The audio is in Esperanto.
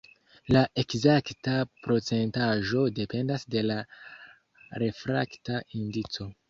La ekzakta procentaĵo dependas de la refrakta indico.